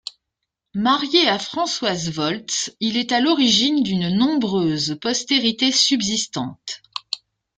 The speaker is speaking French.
Marié à Françoise Voltz, il est à l'origine d'une nombreuse postérité subsistante.